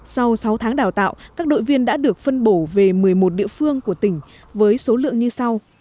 sau sáu tháng đào tạo các đội viên đã được phân bổ về một mươi một địa phương của tỉnh với số lượng như sau